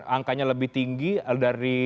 angkanya lebih tinggi dari